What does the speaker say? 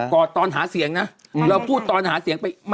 อดตอนหาเสียงนะเราพูดตอนหาเสียงไป